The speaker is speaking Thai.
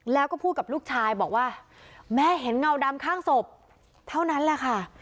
แล้วก็พูดกับลูกชายบอกว่าแม่เห็นเงาดำข้างศพเท่านั้นแหละค่ะ